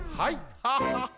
ハハハハ。